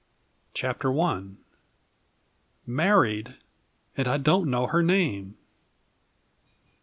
CHAPTER I "Married! And I Don't Know Her Name!"